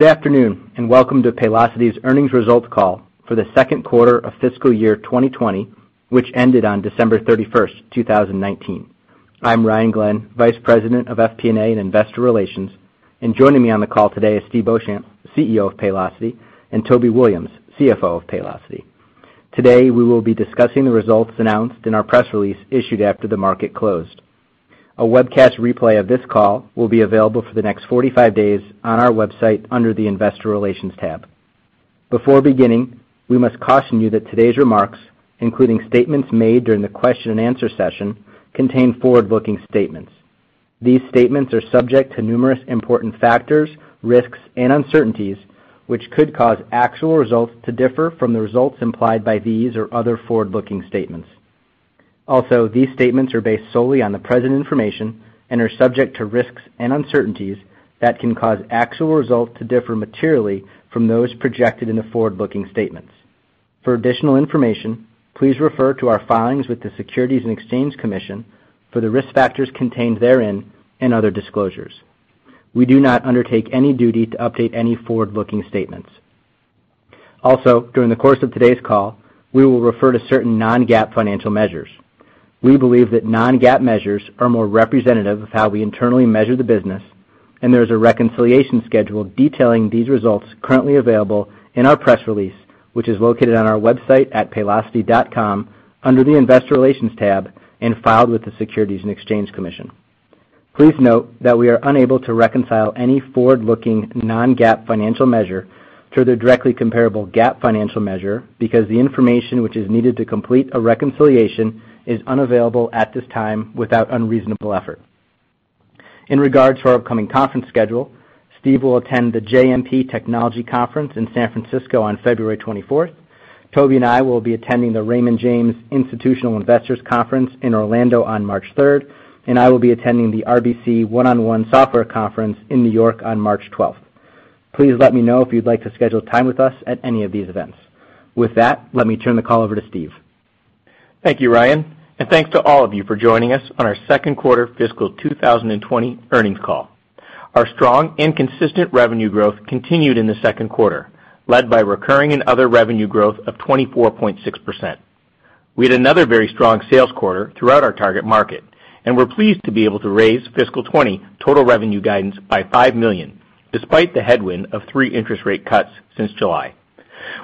Good afternoon. Welcome to Paylocity's earnings results call for the second quarter of fiscal year 2020, which ended on December 31, 2019. I'm Ryan Glenn, Vice President of FP&A and Investor Relations. Joining me on the call today is Steve Beauchamp, CEO of Paylocity, and Toby Williams, CFO of Paylocity. Today, we will be discussing the results announced in our press release issued after the market closed. A webcast replay of this call will be available for the next 45 days on our website under the Investor Relations tab. Before beginning, we must caution you that today's remarks, including statements made during the question and answer session, contain forward-looking statements. These statements are subject to numerous important factors, risks, and uncertainties which could cause actual results to differ from the results implied by these or other forward-looking statements. These statements are based solely on the present information and are subject to risks and uncertainties that can cause actual results to differ materially from those projected in the forward-looking statements. For additional information, please refer to our filings with the Securities and Exchange Commission for the risk factors contained therein and other disclosures. We do not undertake any duty to update any forward-looking statements. During the course of today's call, we will refer to certain non-GAAP financial measures. We believe that non-GAAP measures are more representative of how we internally measure the business, and there is a reconciliation schedule detailing these results currently available in our press release, which is located on our website at paylocity.com under the Investor Relations tab and filed with the Securities and Exchange Commission. Please note that we are unable to reconcile any forward-looking non-GAAP financial measure to the directly comparable GAAP financial measure because the information which is needed to complete a reconciliation is unavailable at this time without unreasonable effort. In regards to our upcoming conference schedule, Steve will attend the JMP Technology Conference in San Francisco on February 24th. Toby and I will be attending the Raymond James Institutional Investors Conference in Orlando on March 3rd, and I will be attending the RBC One on One Software Conference in New York on March 12th. Please let me know if you'd like to schedule time with us at any of these events. With that, let me turn the call over to Steve. Thank you, Ryan, and thanks to all of you for joining us on our second-quarter fiscal 2020 earnings call. Our strong and consistent revenue growth continued in the second quarter, led by recurring and other revenue growth of 24.6%. We had another very strong sales quarter throughout our target market, and we're pleased to be able to raise fiscal 2020 total revenue guidance by $5 million, despite the headwind of three interest rate cuts since July.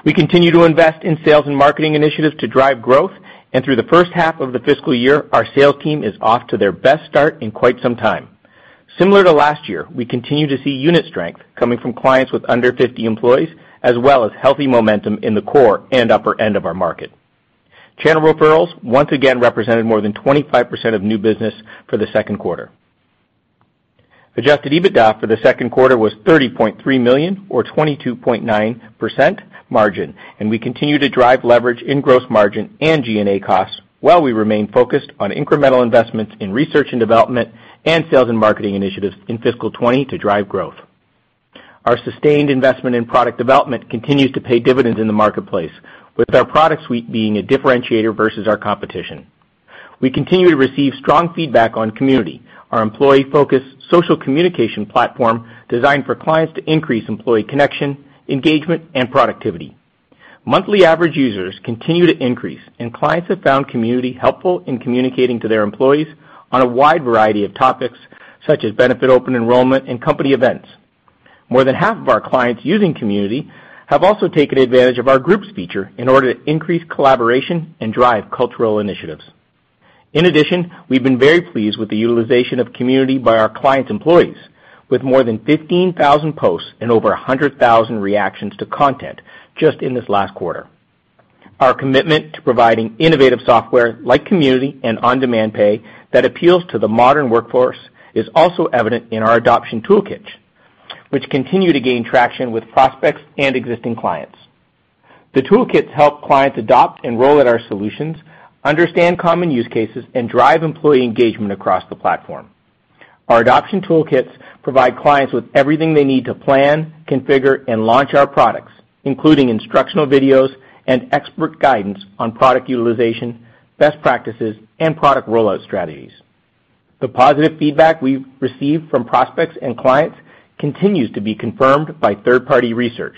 We continue to invest in sales and marketing initiatives to drive growth, and through the first half of the fiscal year, our sales team is off to their best start in quite some time. Similar to last year, we continue to see unit strength coming from clients with under 50 employees, as well as healthy momentum in the core and upper end of our market. Channel referrals once again represented more than 25% of new business for the second quarter. Adjusted EBITDA for the second quarter was $30.3 million, or 22.9% margin. We continue to drive leverage in gross margin and G&A costs while we remain focused on incremental investments in research and development and sales and marketing initiatives in fiscal 2020 to drive growth. Our sustained investment in product development continues to pay dividends in the marketplace, with our product suite being a differentiator versus our competition. We continue to receive strong feedback on Community, our employee-focused social communication platform designed for clients to increase employee connection, engagement, and productivity. Monthly average users continue to increase. Clients have found Community helpful in communicating to their employees on a wide variety of topics, such as benefit open enrollment and company events. More than half of our clients using Community have also taken advantage of our Groups feature in order to increase collaboration and drive cultural initiatives. In addition, we've been very pleased with the utilization of Community by our clients' employees with more than 15,000 posts and over 100,000 reactions to content just in this last quarter. Our commitment to providing innovative software like Community and On-Demand Payment that appeals to the modern workforce is also evident in our adoption toolkits, which continue to gain traction with prospects and existing clients. The toolkits help clients adopt and roll out our solutions, understand common use cases, and drive employee engagement across the platform. Our adoption toolkits provide clients with everything they need to plan, configure, and launch our products, including instructional videos and expert guidance on product utilization, best practices, and product rollout strategies. The positive feedback we've received from prospects and clients continues to be confirmed by third-party research,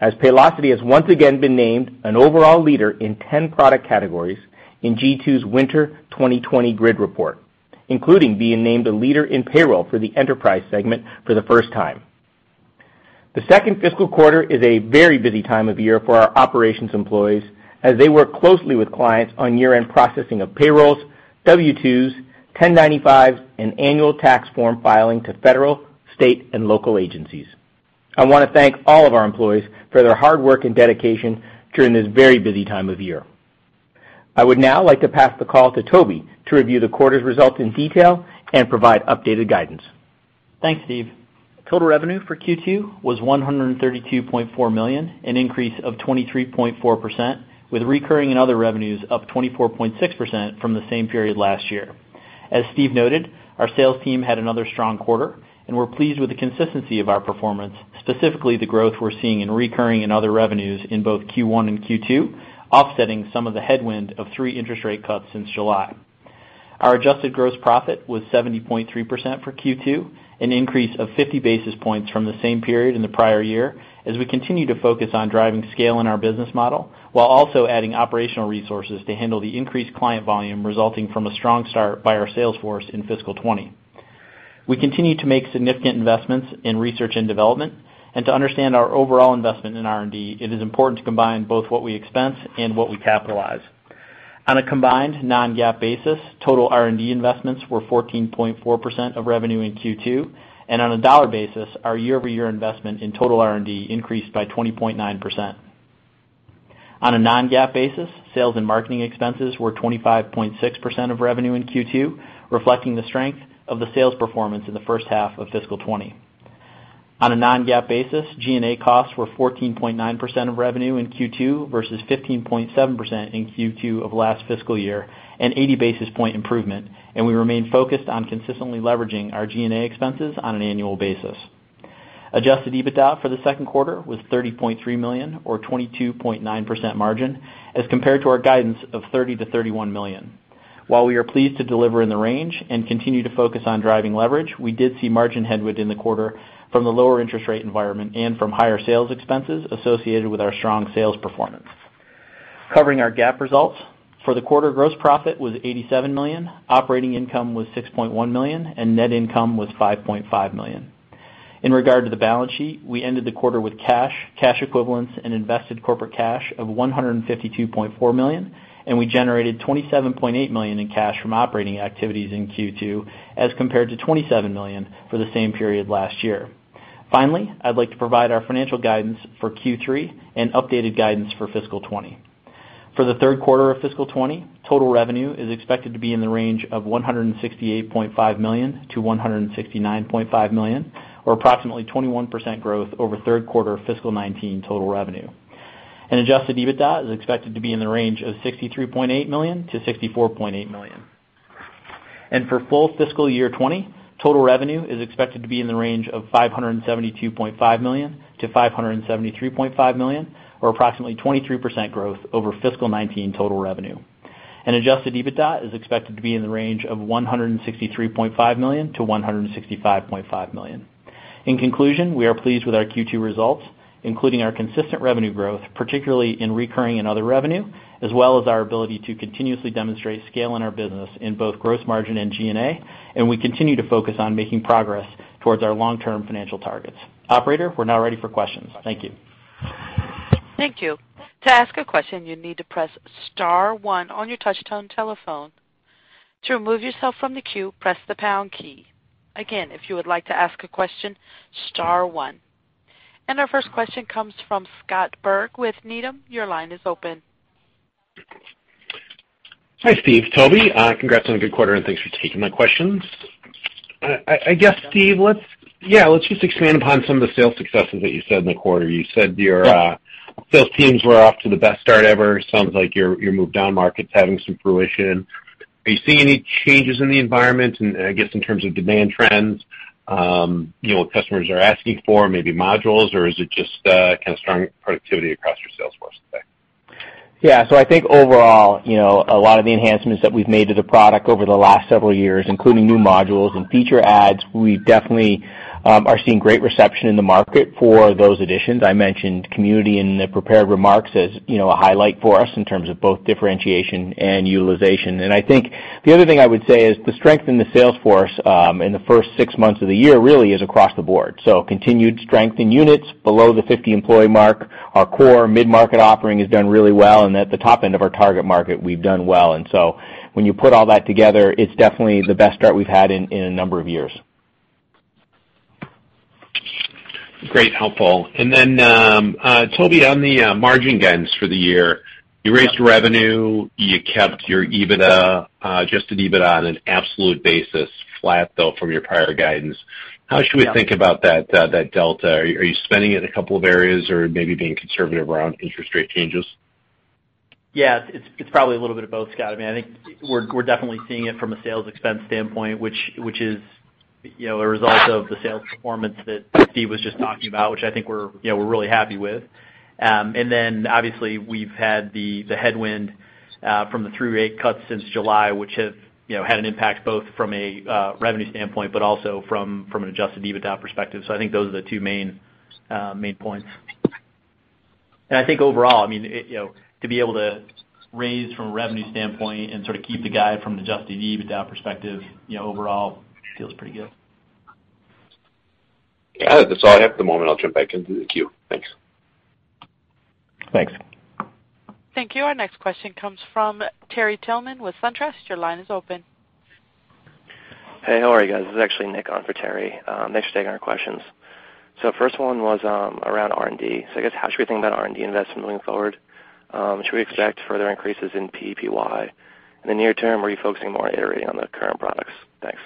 as Paylocity has once again been named an overall leader in 10 product categories in G2's Winter 2020 Grid Report, including being named a leader in payroll for the enterprise segment for the first time. The second fiscal quarter is a very busy time of year for our operations employees as they work closely with clients on year-end processing of payrolls, W-2s, 1095s, and annual tax form filing to federal, state, and local agencies. I want to thank all of our employees for their hard work and dedication during this very busy time of year. I would now like to pass the call to Toby to review the quarter's results in detail and provide updated guidance. Thanks, Steve. Total revenue for Q2 was $132.4 million, an increase of 23.4%, with recurring and other revenues up 24.6% from the same period last year. As Steve noted, our sales team had another strong quarter, and we're pleased with the consistency of our performance, specifically the growth we're seeing in recurring and other revenues in both Q1 and Q2, offsetting some of the headwind of three interest rate cuts since July. Our adjusted gross profit was 70.3% for Q2, an increase of 50 basis points from the same period in the prior year, as we continue to focus on driving scale in our business model, while also adding operational resources to handle the increased client volume resulting from a strong start by our sales force in fiscal 2020. We continue to make significant investments in research and development. To understand our overall investment in R&D, it is important to combine both what we expense and what we capitalize. On a combined non-GAAP basis, total R&D investments were 14.4% of revenue in Q2, and on a dollar basis, our year-over-year investment in total R&D increased by 20.9%. On a non-GAAP basis, sales and marketing expenses were 25.6% of revenue in Q2, reflecting the strength of the sales performance in the first half of fiscal 2020. On a non-GAAP basis, G&A costs were 14.9% of revenue in Q2 versus 15.7% in Q2 of last fiscal year, an 80 basis point improvement. We remain focused on consistently leveraging our G&A expenses on an annual basis. Adjusted EBITDA for the second quarter was $30.3 million, or 22.9% margin, as compared to our guidance of $30 million-$31 million. While we are pleased to deliver in the range and continue to focus on driving leverage, we did see margin headwind in the quarter from the lower interest rate environment and from higher sales expenses associated with our strong sales performance. Covering our GAAP results. For the quarter, gross profit was $87 million, operating income was $6.1 million, and net income was $5.5 million. In regard to the balance sheet, we ended the quarter with cash equivalents, and invested corporate cash of $152.4 million, and we generated $27.8 million in cash from operating activities in Q2, as compared to $27 million for the same period last year. Finally, I'd like to provide our financial guidance for Q3 and updated guidance for fiscal 2020. For the third quarter of fiscal 2020, total revenue is expected to be in the range of $168.5 million to $169.5 million, or approximately 21% growth over third quarter fiscal 2019 total revenue. Adjusted EBITDA is expected to be in the range of $63.8 million-$64.8 million. For full fiscal year 2020, total revenue is expected to be in the range of $572.5 million-$573.5 million, or approximately 23% growth over fiscal 2019 total revenue. Adjusted EBITDA is expected to be in the range of $163.5 million-$165.5 million. In conclusion, we are pleased with our Q2 results, including our consistent revenue growth, particularly in recurring and other revenue, as well as our ability to continuously demonstrate scale in our business in both gross margin and G&A, and we continue to focus on making progress towards our long-term financial targets. Operator, we're now ready for questions. Thank you. Thank you. To ask a question, you need to press star one on your touch tone telephone. To remove yourself from the queue, press the pound key. If you would like to ask a question, star one. Our first question comes from Scott Berg with Needham. Your line is open. Hi, Steve, Toby. Congrats on a good quarter, and thanks for taking my questions. I guess, Steve. Yeah. Yeah, let's just expand upon some of the sales successes that you said in the quarter. Yeah You said your sales teams were off to the best start ever. Sounds like your move down market's having some fruition. Are you seeing any changes in the environment, and I guess in terms of demand trends, what customers are asking for, maybe modules, or is it just kind of strong productivity across your sales force today? Yeah. I think overall, a lot of the enhancements that we've made to the product over the last several years, including new modules and feature adds, we definitely are seeing great reception in the market for those additions. I mentioned Community in the prepared remarks as a highlight for us in terms of both differentiation and utilization. I think the other thing I would say is the strength in the sales force, in the first six months of the year, really is across the board. Continued strength in units below the 50 employee mark. Our core mid-market offering has done really well, and at the top end of our target market, we've done well. When you put all that together, it's definitely the best start we've had in a number of years. Great. Helpful. Toby, on the margin guidance for the year, you raised revenue, you kept your adjusted EBITDA on an absolute basis flat, though, from your prior guidance. Yeah. How should we think about that delta? Are you spending in a couple of areas or maybe being conservative around interest rate changes? Yeah, it's probably a little bit of both, Scott. I think we're definitely seeing it from a sales expense standpoint, which is a result of the sales performance that Steve was just talking about, which I think we're really happy with. Obviously we've had the headwind from the through-rate cuts since July, which have had an impact both from a revenue standpoint, but also from an adjusted EBITDA perspective. I think those are the two main points. I think overall, to be able to raise from a revenue standpoint and sort of keep the guide from an adjusted EBITDA perspective, overall feels pretty good. Yeah. That's all I have at the moment. I'll jump back into the queue. Thanks. Thanks. Thank you. Our next question comes from Terry Tillman with SunTrust. Your line is open. Hey, how are you guys? This is actually Nick on for Terry. Thanks for taking our questions. First one was around R&D. I guess how should we think about R&D investment moving forward? Should we expect further increases in PPY? In the near term, were you focusing more on iterating on the current products? Thanks.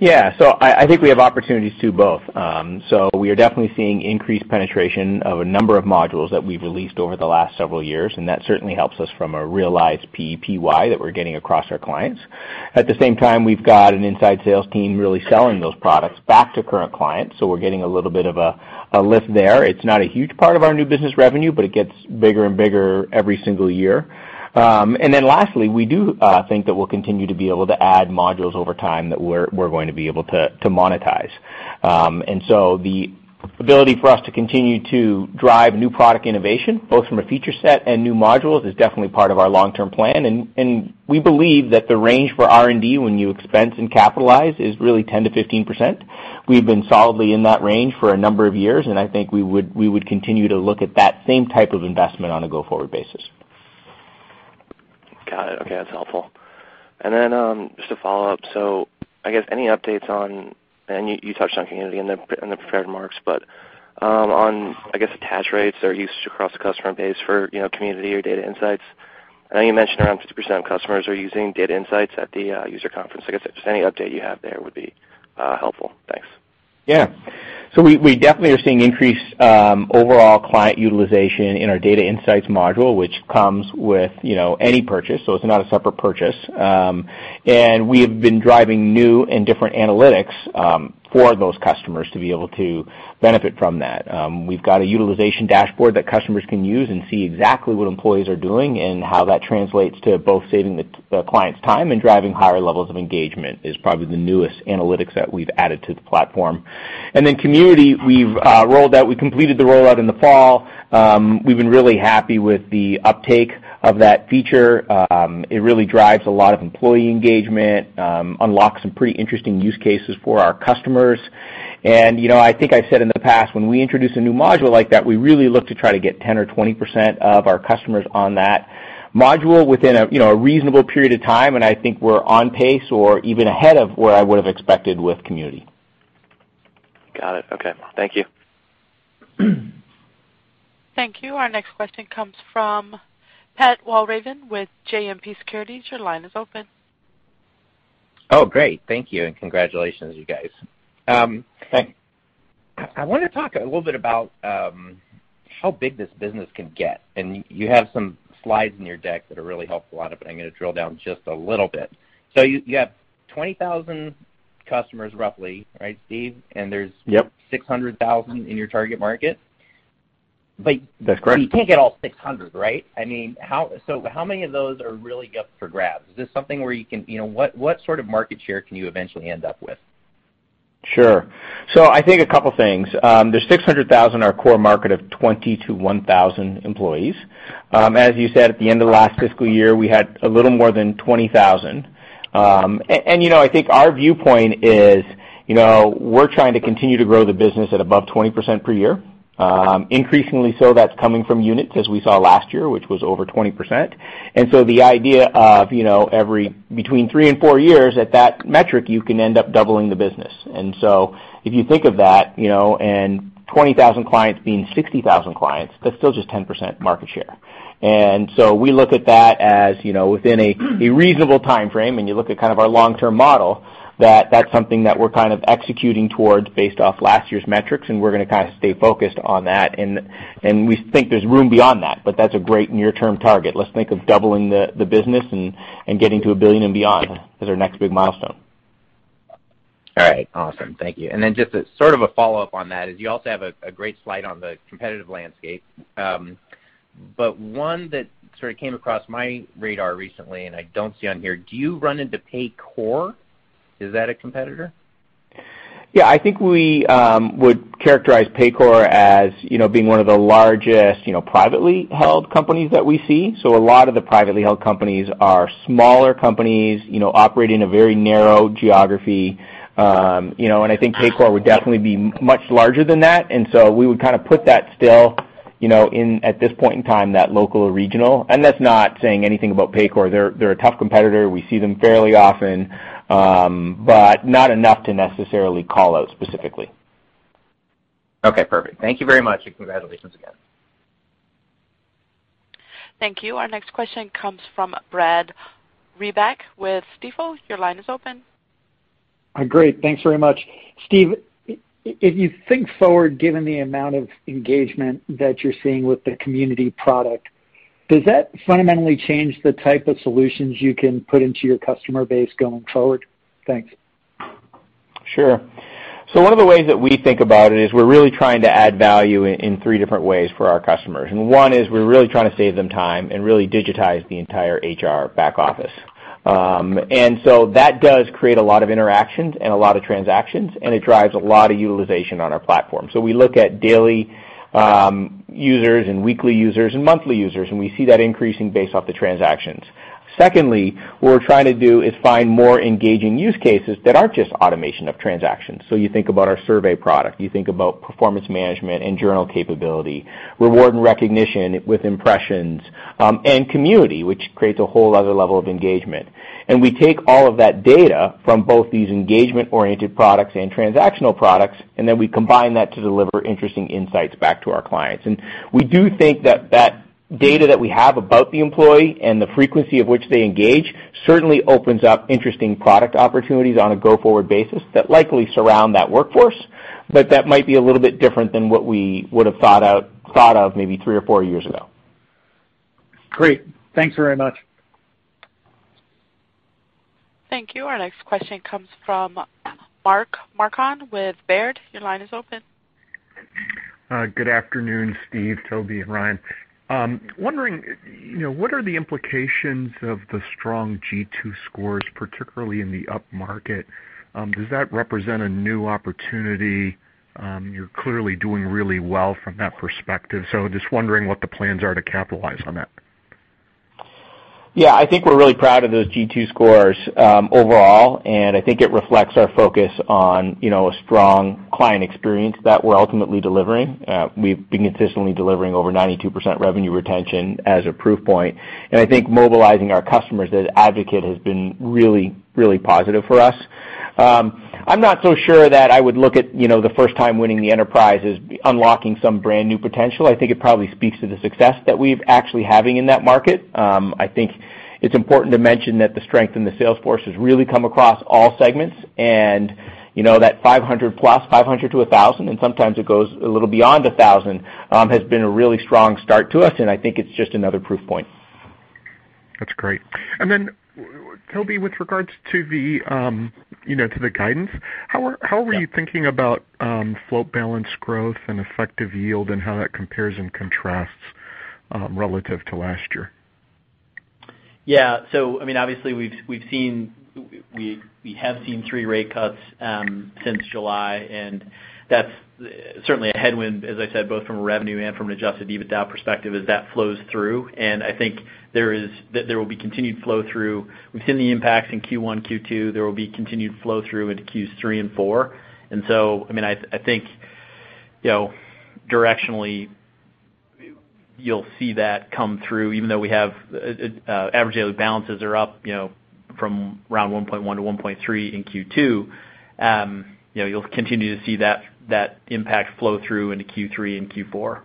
Yeah. I think we have opportunities to do both. We are definitely seeing increased penetration of a number of modules that we've released over the last several years, and that certainly helps us from a realized PPY that we're getting across our clients. At the same time, we've got an inside sales team really selling those products back to current clients, so we're getting a little bit of a lift there. It's not a huge part of our new business revenue, but it gets bigger and bigger every single year. Lastly, we do think that we'll continue to be able to add modules over time that we're going to be able to monetize. The ability for us to continue to drive new product innovation, both from a feature set and new modules, is definitely part of our long-term plan. We believe that the range for R&D when you expense and capitalize is really 10%-15%. We've been solidly in that range for a number of years, and I think we would continue to look at that same type of investment on a go-forward basis. Got it. Okay. That's helpful. Just a follow-up. I guess any updates on, and you touched on Community in the prepared remarks, but on, I guess, attach rates or usage across the customer base for Community or data insights? I know you mentioned around 50% of customers are using data insights at the user conference. Like I said, just any update you have there would be helpful. Thanks. Yeah. We definitely are seeing increased overall client utilization in our data insights module, which comes with any purchase, so it's not a separate purchase. We have been driving new and different analytics for those customers to be able to benefit from that. We've got a utilization dashboard that customers can use and see exactly what employees are doing and how that translates to both saving the client's time and driving higher levels of engagement, is probably the newest analytics that we've added to the platform. Community, we've rolled out. We completed the rollout in the fall. We've been really happy with the uptake of that feature. It really drives a lot of employee engagement, unlocks some pretty interesting use cases for our customers. I think I said in the past, when we introduce a new module like that, we really look to try to get 10% or 20% of our customers on that module within a reasonable period of time. I think we're on pace or even ahead of where I would have expected with Community. Got it. Okay. Thank you. Thank you. Our next question comes from Pat Walravens with JMP Securities. Your line is open. Oh, great. Thank you, and congratulations, you guys. Thanks. I wanted to talk a little bit about how big this business can get. You have some slides in your deck that are really helpful, but I'm going to drill down just a little bit. You have 20,000 customers roughly, right, Steve? Yep 600,000 in your target market. That's correct. You can't get all 600, right? How many of those are really up for grabs? What sort of market share can you eventually end up with? Sure. I think a couple things. There's 600,000, our core market of 20 to 1,000 employees. As you said, at the end of the last fiscal year, we had a little more than 20,000. I think our viewpoint is, we're trying to continue to grow the business at above 20% per year. Increasingly so, that's coming from units, as we saw last year, which was over 20%. The idea of every between three and four years at that metric, you can end up doubling the business. If you think of that, and 20,000 clients being 60,000 clients, that's still just 10% market share. We look at that as within a reasonable timeframe, and you look at kind of our long-term model, that's something that we're kind of executing towards based off last year's metrics, and we're going to kind of stay focused on that. We think there's room beyond that, but that's a great near-term target. Let's think of doubling the business and getting to $1 billion and beyond as our next big milestone. All right. Awesome. Thank you. Then just as sort of a follow-up on that is, you also have a great slide on the competitive landscape. One that sort of came across my radar recently, and I don't see on here, do you run into Paycor? Is that a competitor? Yeah, I think we would characterize Paycor as being one of the largest privately held companies that we see. A lot of the privately held companies are smaller companies operating in a very narrow geography. I think Paycor would definitely be much larger than that. We would kind of put that still, at this point in time, that local or regional. That's not saying anything about Paycor. They're a tough competitor. We see them fairly often. Not enough to necessarily call out specifically. Okay, perfect. Thank you very much, and congratulations again. Thank you. Our next question comes from Brad Reback with Stifel. Your line is open. Great. Thanks very much. Steve, if you think forward, given the amount of engagement that you're seeing with the Community product, does that fundamentally change the type of solutions you can put into your customer base going forward? Thanks. Sure. One of the ways that we think about it is we're really trying to add value in three different ways for our customers. One is we're really trying to save them time and really digitize the entire HR back office. That does create a lot of interactions and a lot of transactions, and it drives a lot of utilization on our platform. We look at daily users and weekly users and monthly users, and we see that increasing based off the transactions. Secondly, what we're trying to do is find more engaging use cases that aren't just automation of transactions. You think about our survey product. You think about performance management and journal capability, reward and recognition with impressions, and Community, which creates a whole other level of engagement. We take all of that data from both these engagement-oriented products and transactional products, and then we combine that to deliver interesting insights back to our clients. We do think that that data that we have about the employee and the frequency of which they engage certainly opens up interesting product opportunities on a go-forward basis that likely surround that workforce, but that might be a little bit different than what we would have thought of maybe three or four years ago. Great. Thanks very much. Thank you. Our next question comes from Mark Marcon with Baird. Your line is open. Good afternoon, Steve, Toby, and Ryan. Wondering, what are the implications of the strong G2 scores, particularly in the upmarket. Does that represent a new opportunity? You're clearly doing really well from that perspective. just wondering what the plans are to capitalize on that. Yeah, I think we're really proud of those G2 scores overall. I think it reflects our focus on a strong client experience that we're ultimately delivering. We've been consistently delivering over 92% revenue retention as a proof point. I think mobilizing our customers as advocate has been really, really positive for us. I'm not so sure that I would look at the first time winning the enterprise as unlocking some brand new potential. I think it probably speaks to the success that we're actually having in that market. I think it's important to mention that the strength in the sales force has really come across all segments. That 500 plus, 500-1,000, sometimes it goes a little beyond 1,000, has been a really strong start to us. I think it's just another proof point. That's great. Toby, with regards to the guidance, how are you thinking about float balance growth and effective yield and how that compares and contrasts relative to last year? Yeah. Obviously we have seen three rate cuts since July, and that's certainly a headwind, as I said, both from a revenue and from an adjusted EBITDA perspective as that flows through. I think that there will be continued flow-through. We've seen the impacts in Q1, Q2. There will be continued flow-through into Q3 and Q4. I think directionally, you'll see that come through, even though we have average daily balances are up from around $1.1-$1.3 in Q2. You'll continue to see that impact flow through into Q3 and Q4.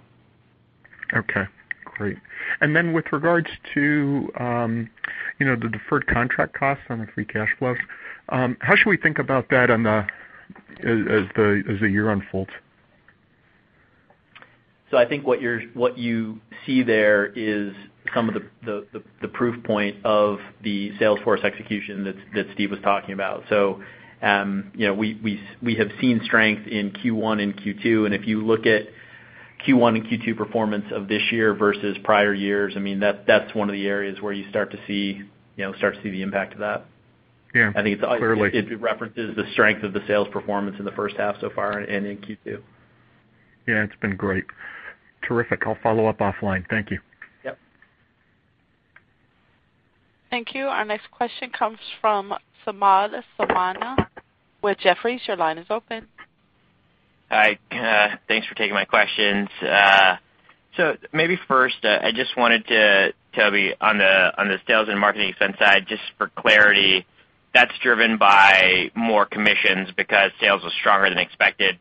Okay, great. With regards to the deferred contract costs on the free cash flows, how should we think about that as the year unfolds? I think what you see there is some of the proof point of the sales force execution that Steve was talking about. We have seen strength in Q1 and Q2, and if you look at Q1 and Q2 performance of this year versus prior years, that's one of the areas where you start to see the impact of that. Yeah. Clearly. I think it references the strength of the sales performance in the first half so far and in Q2. Yeah, it's been great. Terrific. I'll follow up offline. Thank you. Yep. Thank you. Our next question comes from Samad Samana with Jefferies. Your line is open. Hi. Thanks for taking my questions. Maybe first, I just wanted to, Toby, on the sales and marketing expense side, just for clarity, that's driven by more commissions because sales was stronger than expected.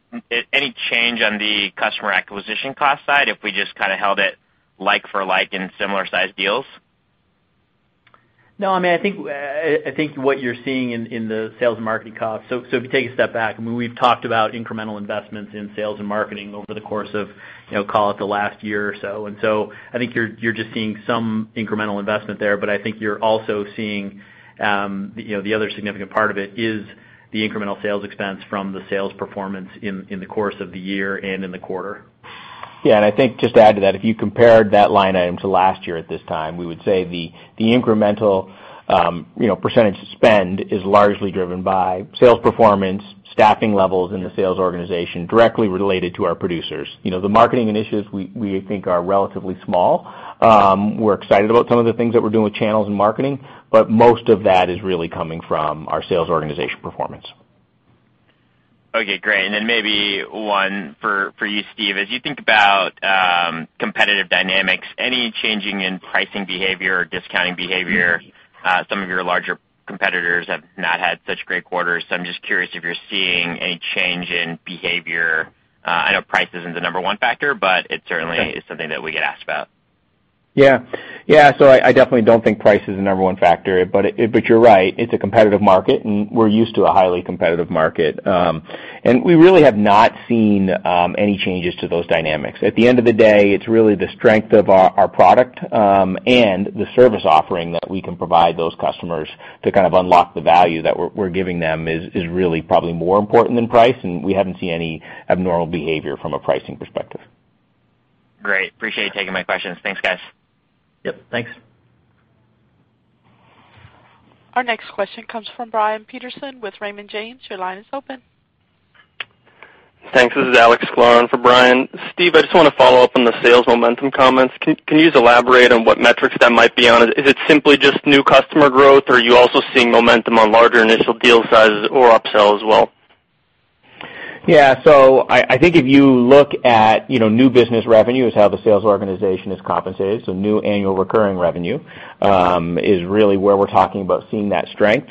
Any change on the customer acquisition cost side if we just kind of held it like for like in similar size deals? No. I think what you're seeing in the sales and marketing costs, if you take a step back, we've talked about incremental investments in sales and marketing over the course of call it the last year or so. I think you're just seeing some incremental investment there, I think you're also seeing the other significant part of it is the incremental sales expense from the sales performance in the course of the year and in the quarter. I think just to add to that, if you compared that line item to last year at this time, we would say the incremental percentage spend is largely driven by sales performance, staffing levels in the sales organization directly related to our producers. The marketing initiatives we think are relatively small. We're excited about some of the things that we're doing with channels and marketing, but most of that is really coming from our sales organization performance. Okay, great. Then maybe one for you, Steve. As you think about competitive dynamics, any changing in pricing behavior or discounting behavior? Some of your larger competitors have not had such great quarters, so I'm just curious if you're seeing any change in behavior. I know price isn't the number one factor, but it certainly is something that we get asked about. Yeah. I definitely don't think price is the number one factor, but you're right. It's a competitive market, and we're used to a highly competitive market. We really have not seen any changes to those dynamics. At the end of the day, it's really the strength of our product and the service offering that we can provide those customers to kind of unlock the value that we're giving them is really probably more important than price, and we haven't seen any abnormal behavior from a pricing perspective. Great. Appreciate you taking my questions. Thanks, guys. Yep, thanks. Our next question comes from Brian Peterson with Raymond James. Your line is open. Thanks. This is Alex Sklar for Brian. Steve, I just want to follow up on the sales momentum comments. Can you elaborate on what metrics that might be on? Is it simply just new customer growth, or are you also seeing momentum on larger initial deal sizes or upsell as well? Yeah. I think if you look at new business revenue is how the sales organization is compensated, so new annual recurring revenue is really where we're talking about seeing that strength.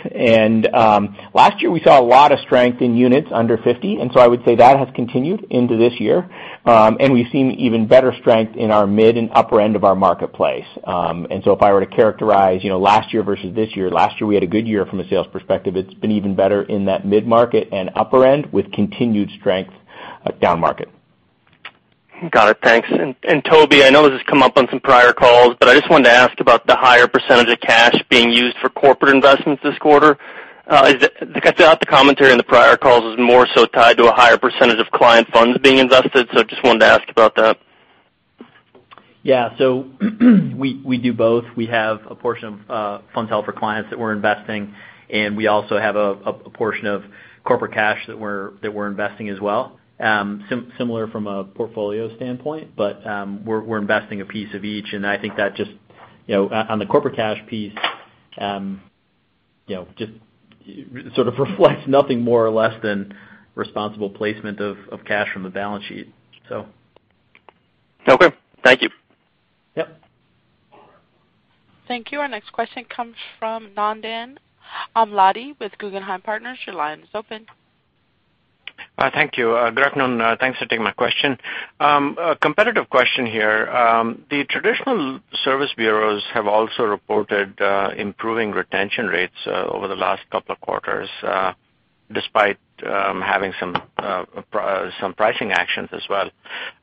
Last year we saw a lot of strength in units under 50, and so I would say that has continued into this year. We've seen even better strength in our mid and upper end of our marketplace. If I were to characterize last year versus this year, last year we had a good year from a sales perspective. It's been even better in that mid-market and upper end with continued strength downmarket. Got it. Thanks. Toby, I know this has come up on some prior calls, but I just wanted to ask about the higher % of cash being used for corporate investments this quarter. I thought the commentary on the prior calls was more so tied to a higher % of client funds being invested. Just wanted to ask about that. Yeah. We do both. We have a portion of funds held for clients that we're investing, and we also have a portion of corporate cash that we're investing as well. Similar from a portfolio standpoint, but we're investing a piece of each, and I think that just on the corporate cash piece, just sort of reflects nothing more or less than responsible placement of cash from the balance sheet. Okay. Thank you. Yep. Thank you. Our next question comes from Nandan Amladi with Guggenheim Partners. Your line is open. Thank you. Good afternoon. Thanks for taking my question. A competitive question here. The traditional service bureaus have also reported improving retention rates over the last couple of quarters, despite having some pricing actions as well.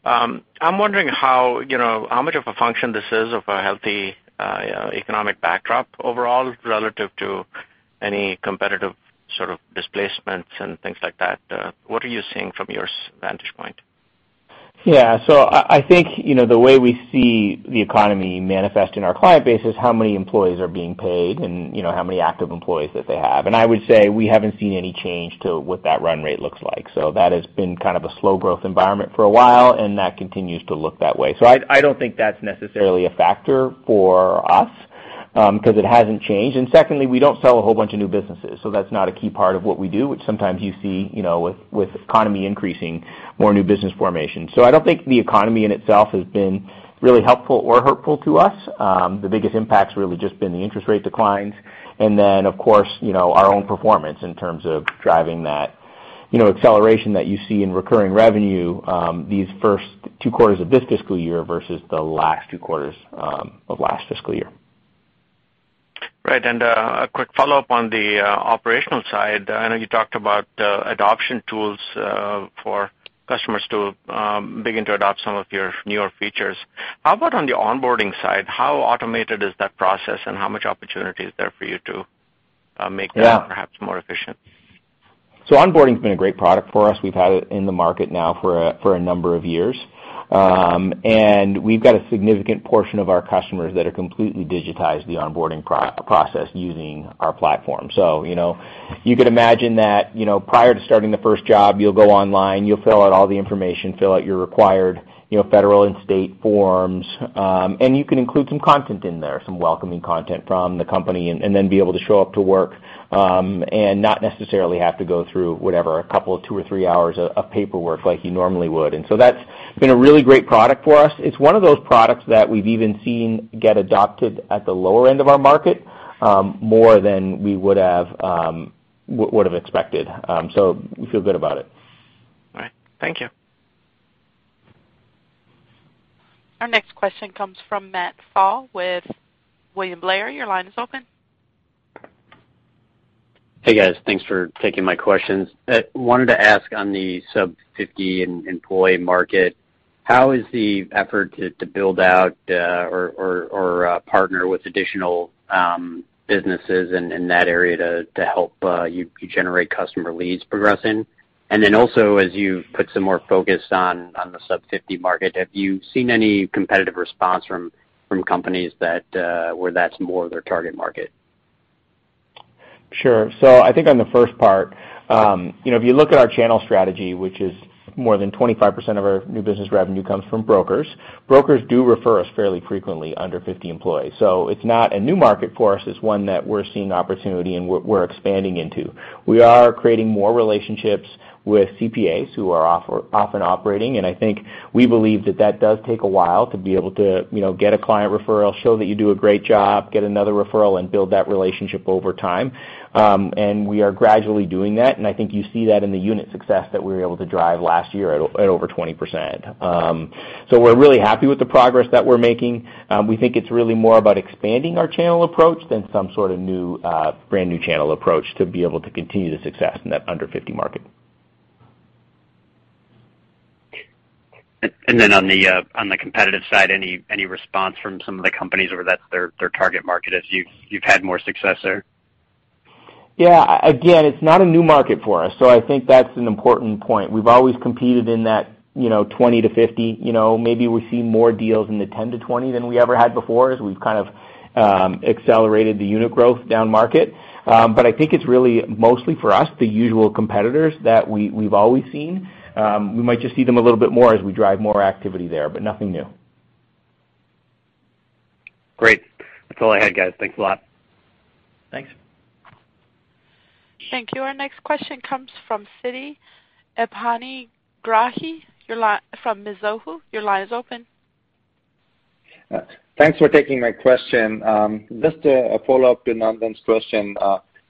I'm wondering how much of a function this is of a healthy economic backdrop overall relative to any competitive sort of displacements and things like that. What are you seeing from your vantage point? I think, the way we see the economy manifest in our client base is how many employees are being paid and how many active employees that they have. I would say we haven't seen any change to what that run rate looks like. That has been kind of a slow growth environment for a while, and that continues to look that way. I don't think that's necessarily a factor for us, because it hasn't changed. Secondly, we don't sell a whole bunch of new businesses, so that's not a key part of what we do, which sometimes you see with economy increasing, more new business formation. I don't think the economy in itself has been really helpful or hurtful to us. The biggest impact's really just been the interest rate declines. Of course, our own performance in terms of driving that acceleration that you see in recurring revenue these first two quarters of this fiscal year versus the last two quarters of last fiscal year. Right. A quick follow-up on the operational side. I know you talked about adoption tools for customers to begin to adopt some of your newer features. How about on the onboarding side? How automated is that process and how much opportunity is there for you to make that perhaps more efficient? Onboarding's been a great product for us. We've had it in the market now for a number of years. We've got a significant portion of our customers that are completely digitized the onboarding process using our platform. You could imagine that prior to starting the first job, you'll go online, you'll fill out all the information, fill out your required federal and state forms, and you can include some content in there, some welcoming content from the company, and then be able to show up to work, and not necessarily have to go through whatever, a couple of two or three hours of paperwork like you normally would. That's been a really great product for us. It's one of those products that we've even seen get adopted at the lower end of our market, more than we would've expected. We feel good about it. All right. Thank you. Our next question comes from Matt Pfau with William Blair. Your line is open. Hey, guys. Thanks for taking my questions. Wanted to ask on the sub 50 employee market, how is the effort to build out or partner with additional businesses in that area to help you generate customer leads progressing? Also, as you put some more focus on the sub 50 market, have you seen any competitive response from companies where that's more their target market? Sure. I think on the first part, if you look at our channel strategy, which is more than 25% of our new business revenue comes from brokers. Brokers do refer us fairly frequently under 50 employees. It's not a new market for us. It's one that we're seeing opportunity and we're expanding into. We are creating more relationships with CPAs who are often operating, and I think we believe that that does take a while to be able to get a client referral, show that you do a great job, get another referral, and build that relationship over time. We are gradually doing that, and I think you see that in the unit success that we were able to drive last year at over 20%. We're really happy with the progress that we're making. We think it's really more about expanding our channel approach than some sort of brand new channel approach to be able to continue the success in that under 50 market. Then on the competitive side, any response from some of the companies where that's their target market as you've had more success there? Yeah. It's not a new market for us, so I think that's an important point. We've always competed in that 20 to 50. Maybe we're seeing more deals in the 10-20 than we ever had before, as we've kind of accelerated the unit growth down market. I think it's really mostly for us, the usual competitors that we've always seen. We might just see them a little bit more as we drive more activity there, but nothing new. Great. That's all I had, guys. Thanks a lot. Thanks. Thank you. Our next question comes from Siti Panigrahi from Mizuho. Your line is open. Thanks for taking my question. Just a follow-up to Nandan's question.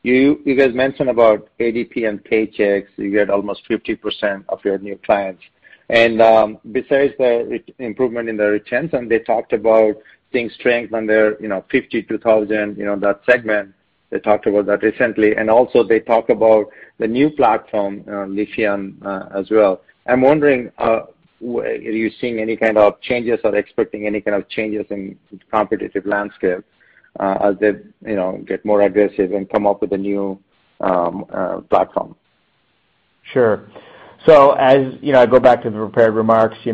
You guys mentioned about ADP and Paychex. You get almost 50% of your new clients. Besides the improvement in the retention, they talked about seeing strength on their 50, 2,000, that segment. They talked about that recently, and also they talk about the new platform, Paylocity as well. I'm wondering, are you seeing any kind of changes or expecting any kind of changes in competitive landscape as they get more aggressive and come up with a new platform? Sure. As I go back to the prepared remarks, the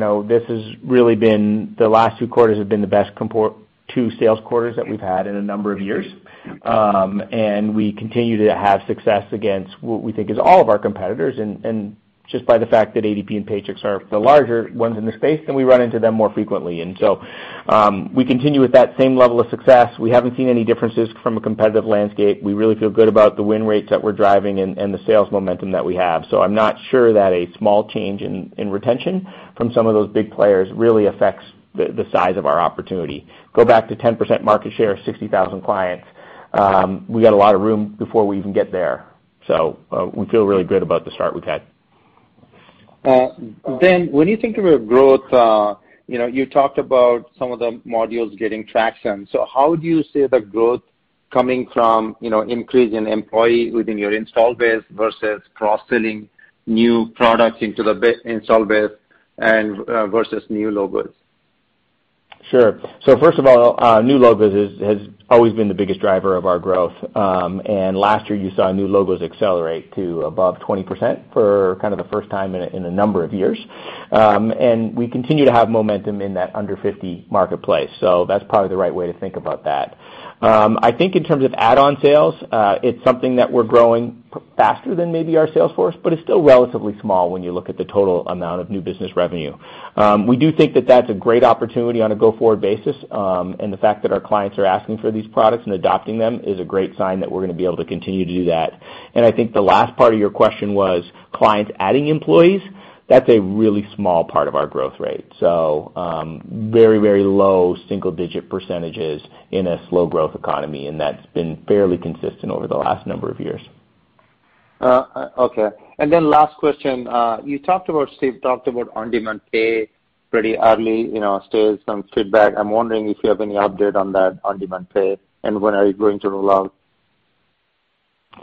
last two quarters have been the best two sales quarters that we've had in a number of years. We continue to have success against what we think is all of our competitors. Just by the fact that ADP and Paychex are the larger ones in the space, then we run into them more frequently. We continue with that same level of success. We haven't seen any differences from a competitive landscape. We really feel good about the win rates that we're driving and the sales momentum that we have. I'm not sure that a small change in retention from some of those big players really affects the size of our opportunity. Go back to 10% market share, 60,000 clients. We got a lot of room before we even get there. We feel really good about the start we've had. When you think about growth, you talked about some of the modules getting traction. How do you see the growth coming from increase in employee within your install base versus cross-selling new products into the install base and versus new logos? Sure. First of all, new logos has always been the biggest driver of our growth. Last year you saw new logos accelerate to above 20% for the first time in a number of years. We continue to have momentum in that under 50 marketplace, so that's probably the right way to think about that. I think in terms of add-on sales, it's something that we're growing faster than maybe our sales force, but it's still relatively small when you look at the total amount of new business revenue. We do think that that's a great opportunity on a go-forward basis. The fact that our clients are asking for these products and adopting them is a great sign that we're going to be able to continue to do that. I think the last part of your question was clients adding employees. That's a really small part of our growth rate. Very low double-digit % in a slow growth economy, and that's been fairly consistent over the last number of years. Okay. Last question. Steve talked about On-Demand Pay pretty early stage, some feedback. I'm wondering if you have any update on that On-Demand Pay. When are you going to roll out?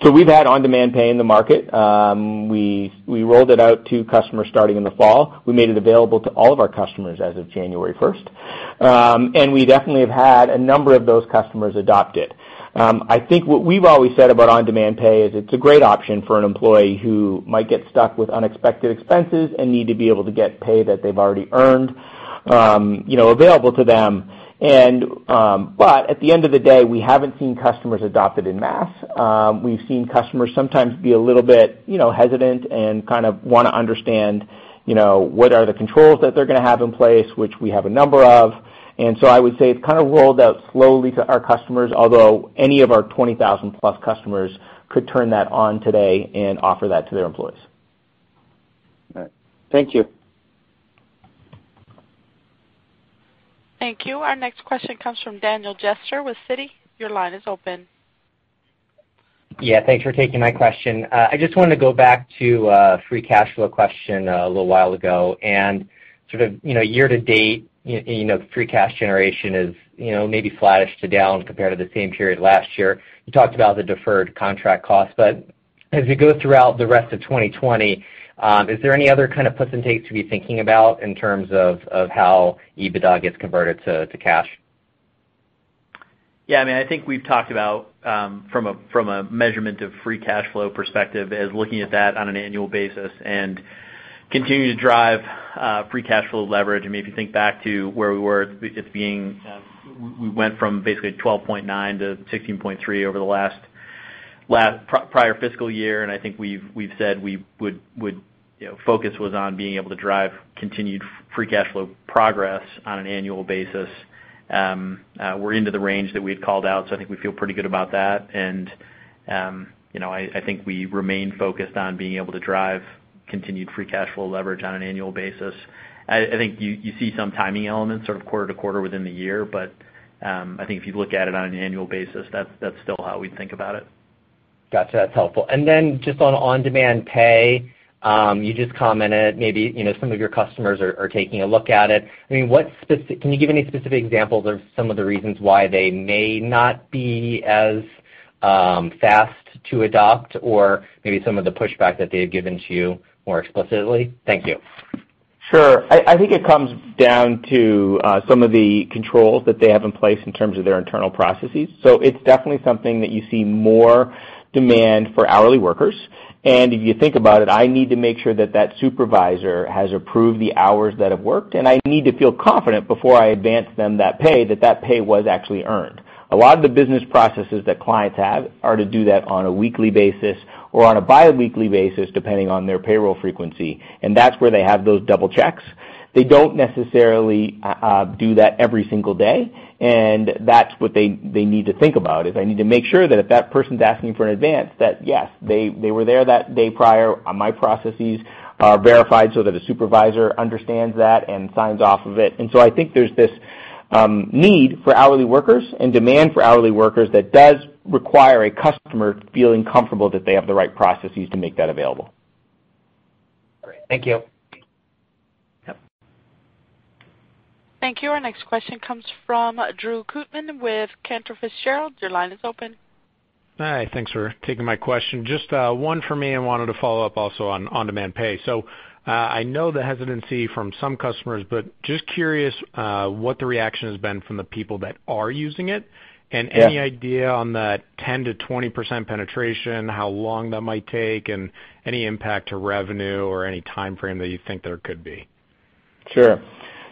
We've had On-Demand Pay in the market. We rolled it out to customers starting in the fall. We made it available to all of our customers as of January 1st. We definitely have had a number of those customers adopt it. I think what we've always said about On-Demand Pay is it's a great option for an employee who might get stuck with unexpected expenses and need to be able to get pay that they've already earned available to them. At the end of the day, we haven't seen customers adopt it en masse. We've seen customers sometimes be a little bit hesitant and want to understand what are the controls that they're going to have in place, which we have a number of. I would say it's rolled out slowly to our customers, although any of our 20,000-plus customers could turn that on today and offer that to their employees. All right. Thank you. Thank you. Our next question comes from Daniel Jester with Citi. Your line is open. Yeah, thanks for taking my question. I just wanted to go back to free cash flow question a little while ago. Year to date, free cash generation is maybe flattish to down compared to the same period last year. You talked about the deferred contract cost, but as we go throughout the rest of 2020, is there any other kind of puts and takes to be thinking about in terms of how EBITDA gets converted to cash? Yeah. I think we've talked about, from a measurement of free cash flow perspective, is looking at that on an annual basis and continuing to drive free cash flow leverage. Maybe think back to where we were, we went from basically 12.9%-16.3% over the last prior fiscal year, and I think we've said focus was on being able to drive continued free cash flow progress on an annual basis. We're into the range that we had called out. I think we feel pretty good about that. I think we remain focused on being able to drive continued free cash flow leverage on an annual basis. I think you see some timing elements sort of quarter to quarter within the year. I think if you look at it on an annual basis, that's still how we think about it. Got you. That's helpful. Just on On-Demand Pay, you just commented maybe some of your customers are taking a look at it. Can you give any specific examples of some of the reasons why they may not be as fast to adopt or maybe some of the pushback that they've given to you more explicitly? Thank you. Sure. I think it comes down to some of the controls that they have in place in terms of their internal processes. It's definitely something that you see more demand for hourly workers. If you think about it, I need to make sure that that supervisor has approved the hours that have worked, and I need to feel confident before I advance them that pay, that that pay was actually earned. A lot of the business processes that clients have are to do that on a weekly basis or on a biweekly basis, depending on their payroll frequency, and that's where they have those double checks. They don't necessarily do that every single day. That's what they need to think about, is they need to make sure that if that person's asking for an advance, that yes, they were there that day prior, my processes are verified so that a supervisor understands that and signs off of it. I think there's this need for hourly workers and demand for hourly workers that does require a customer feeling comfortable that they have the right processes to make that available. Great. Thank you. Yep. Thank you. Our next question comes from Drew Kootman with Cantor Fitzgerald. Your line is open. Hi, thanks for taking my question. Just one from me, and wanted to follow up also on On-Demand Payment. I know the hesitancy from some customers, but just curious what the reaction has been from the people that are using it. Yeah. Any idea on that 10%-20% penetration, how long that might take, and any impact to revenue or any timeframe that you think there could be? Sure.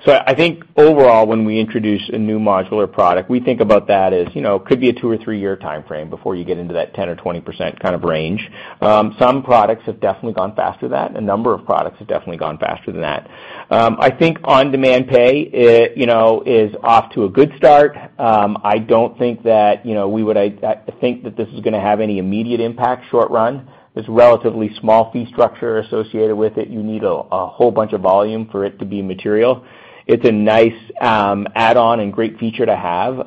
I think overall, when we introduce a new modular product, we think about that as could be a two or three-year timeframe before you get into that 10% or 20% kind of range. Some products have definitely gone faster than that. A number of products have definitely gone faster than that. I think On-Demand Payment is off to a good start. I don't think that this is going to have any immediate impact short run. There's a relatively small fee structure associated with it. You need a whole bunch of volume for it to be material. It's a nice add-on and great feature to have,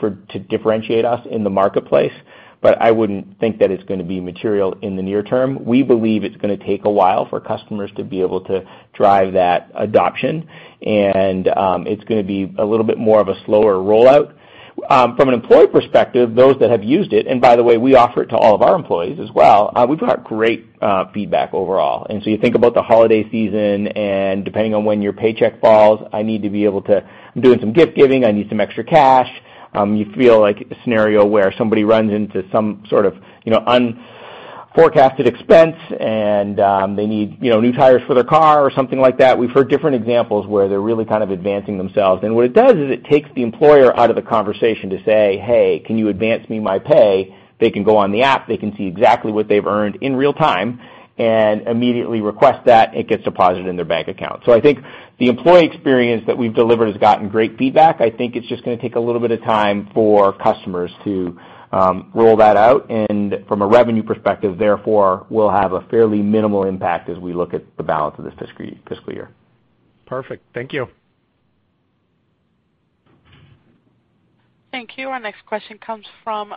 to differentiate us in the marketplace, but I wouldn't think that it's going to be material in the near term. We believe it's going to take a while for customers to be able to drive that adoption, and it's going to be a little bit more of a slower rollout. From an employee perspective, those that have used it, and by the way, we offer it to all of our employees as well. We've got great feedback overall. You think about the holiday season, and depending on when your paycheck falls, I need to be able to I'm doing some gift giving, I need some extra cash. You feel like a scenario where somebody runs into some sort of unforecasted expense and they need new tires for their car or something like that. We've heard different examples where they're really advancing themselves. What it does is it takes the employer out of the conversation to say, "Hey, can you advance me my pay?" They can go on the app, they can see exactly what they've earned in real time, and immediately request that, it gets deposited in their bank account. I think the employee experience that we've delivered has gotten great feedback. I think it's just going to take a little bit of time for customers to roll that out. From a revenue perspective, therefore, we'll have a fairly minimal impact as we look at the balance of this fiscal year. Perfect. Thank you. Thank you. Our next question comes from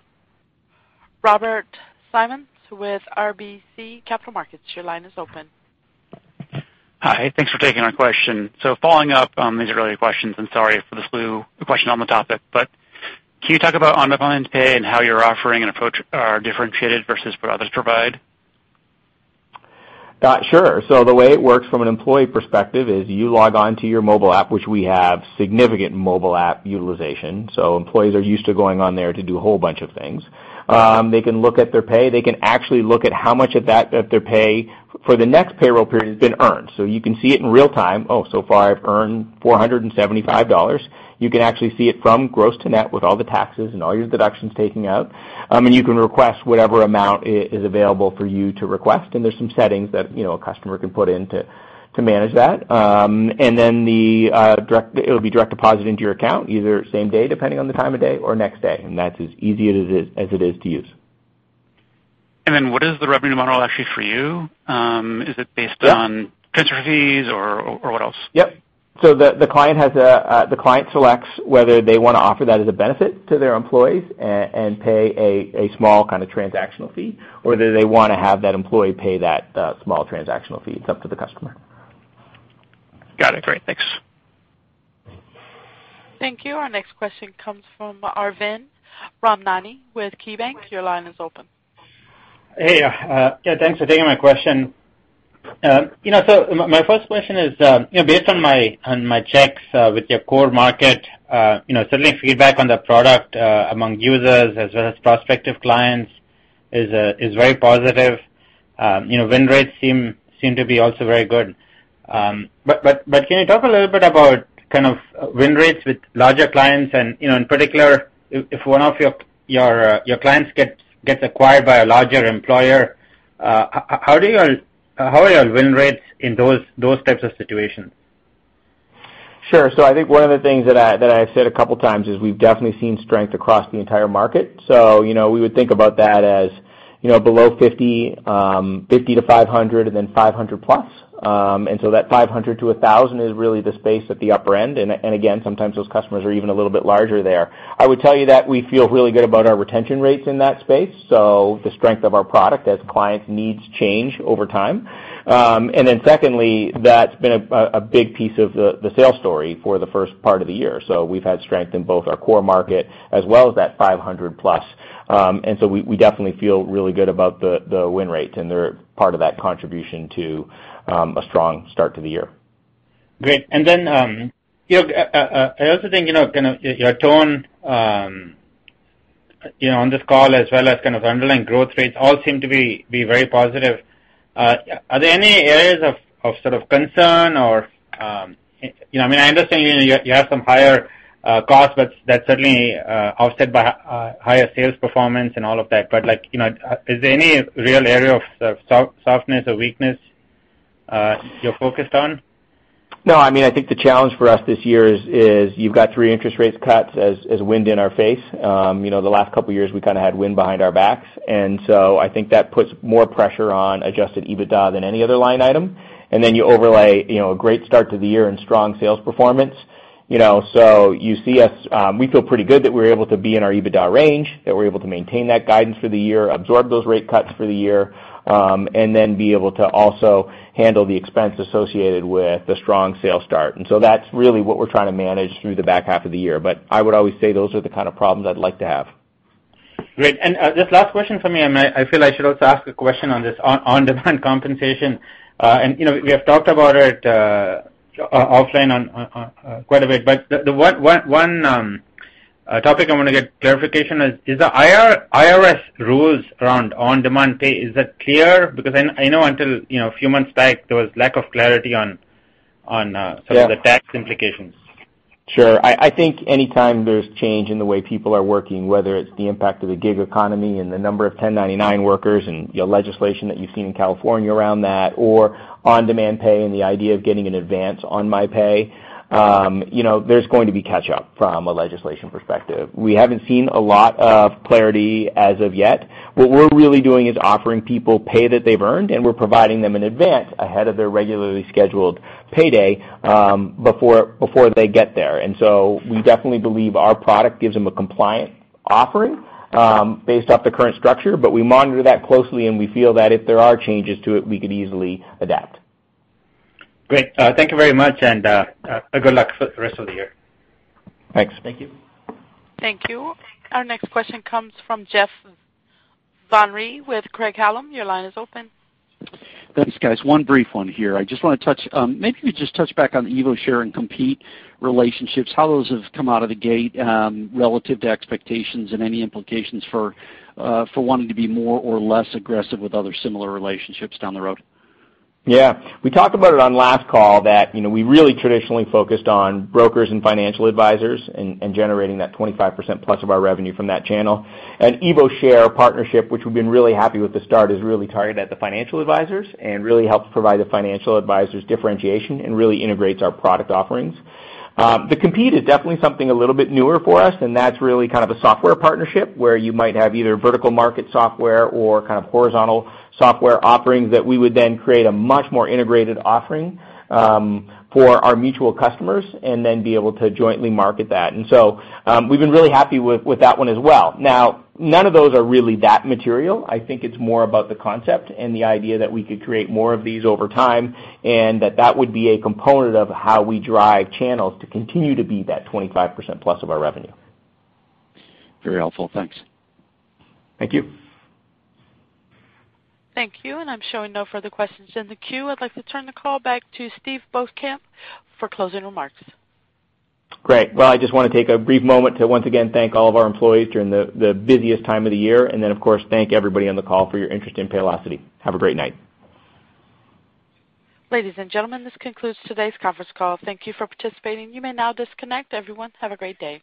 Robert Simmons with RBC Capital Markets. Your line is open. Hi. Thanks for taking our question. Following up on these earlier questions, and sorry for this new question on the topic, but can you talk about On-Demand Payment and how your offering and approach are differentiated versus what others provide? Sure. The way it works from an employee perspective is you log on to your mobile app, which we have significant mobile app utilization, so employees are used to going on there to do a whole bunch of things. They can look at their pay. They can actually look at how much of their pay for the next payroll period has been earned. You can see it in real time. "Oh, so far I've earned $475." You can actually see it from gross to net with all the taxes and all your deductions taken out. You can request whatever amount is available for you to request, and there's some settings that a customer can put in to manage that. Then it'll be direct deposited into your account, either same day, depending on the time of day or next day. That's as easy as it is to use. What is the revenue model actually for you? Is it based on transfer fees or what else? Yep. The client selects whether they want to offer that as a benefit to their employees and pay a small transactional fee, or whether they want to have that employee pay that small transactional fee. It's up to the customer. Got it. Great. Thanks. Thank you. Our next question comes from Arvind Ramnani with KeyBanc. Your line is open. Hey. Yeah, thanks for taking my question. My first question is based on my checks with your core market, certainly feedback on the product among users as well as prospective clients is very positive. Win rates seem to be also very good. Can you talk a little bit about win rates with larger clients and, in particular, if one of your clients gets acquired by a larger employer, how are your win rates in those types of situations? Sure. I think one of the things that I've said a couple of times is we've definitely seen strength across the entire market. We would think about that as below 50-500, and then 500 plus. That 500-1,000 is really the space at the upper end. Again, sometimes those customers are even a little bit larger there. I would tell you that we feel really good about our retention rates in that space, so the strength of our product as clients' needs change over time. Secondly, that's been a big piece of the sales story for the first part of the year. We've had strength in both our core market as well as that 500 plus. We definitely feel really good about the win rates, and they're part of that contribution to a strong start to the year. Great. I also think your tone on this call as well as underlying growth rates all seem to be very positive. Are there any areas of concern or I understand you have some higher costs, but that's certainly offset by higher sales performance and all of that? Is there any real area of softness or weakness you're focused on? No, I think the challenge for us this year is you've got three interest rates cuts as wind in our face. The last couple of years, we had wind behind our backs. I think that puts more pressure on adjusted EBITDA than any other line item. You overlay a great start to the year and strong sales performance. You see us, we feel pretty good that we're able to be in our EBITDA range, that we're able to maintain that guidance for the year, absorb those rate cuts for the year, and then be able to also handle the expense associated with the strong sales start. That's really what we're trying to manage through the back half of the year. I would always say those are the kind of problems I'd like to have. Great. Just last question for me, I feel I should also ask a question on this on-demand compensation. We have talked about it offline quite a bit, but the one topic I want to get clarification is the IRS rules around on-demand pay, is that clear? I know until a few months back, there was lack of clarity on some of the tax implications. Sure. I think anytime there's change in the way people are working, whether it's the impact of the gig economy and the number of 1099 workers and legislation that you've seen in California around that or On-Demand Pay and the idea of getting an advance on my pay, there's going to be catch-up from a legislation perspective. We haven't seen a lot of clarity as of yet. What we're really doing is offering people pay that they've earned, and we're providing them an advance ahead of their regularly scheduled payday before they get there. We definitely believe our product gives them a compliant offering based off the current structure, but we monitor that closely, and we feel that if there are changes to it, we could easily adapt. Great. Thank you very much. Good luck for the rest of the year. Thanks. Thank you. Thank you. Our next question comes from Jeff Van Rhee with Craig-Hallum. Your line is open. Thanks, guys. One brief one here. Maybe we just touch back on the EvoShare and Compete relationships, how those have come out of the gate relative to expectations and any implications for wanting to be more or less aggressive with other similar relationships down the road. Yeah. We talked about it on last call that we really traditionally focused on brokers and financial advisors and generating that 25% plus of our revenue from that channel. EvoShare partnership, which we've been really happy with the start, is really targeted at the financial advisors and really helps provide the financial advisors differentiation and really integrates our product offerings. The Compete is definitely something a little bit newer for us, and that's really a software partnership where you might have either vertical market software or horizontal software offerings that we would then create a much more integrated offering for our mutual customers and then be able to jointly market that. So we've been really happy with that one as well. Now, none of those are really that material. I think it's more about the concept and the idea that we could create more of these over time, and that that would be a component of how we drive channels to continue to be that 25% plus of our revenue. Very helpful. Thanks. Thank you. Thank you. I'm showing no further questions in the queue. I'd like to turn the call back to Steve Beauchamp for closing remarks. Great. Well, I just want to take a brief moment to once again thank all of our employees during the busiest time of the year, and then, of course, thank everybody on the call for your interest in Paylocity. Have a great night. Ladies and gentlemen, this concludes today's conference call. Thank you for participating. You may now disconnect. Everyone, have a great day.